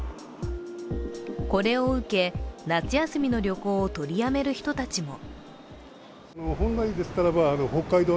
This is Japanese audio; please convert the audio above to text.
これを受け、夏休みの旅行を取りやめる人たちも。